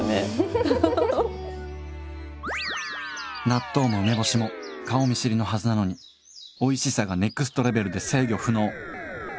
納豆も梅干しも顔見知りのはずなのにおいしさがネクストレベルで制御不能。